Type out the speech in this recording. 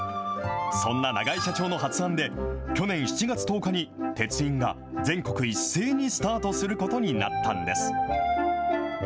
そんな永江社長の発案で、去年７月１０日に鉄印が全国一斉にスタートすることになったんです。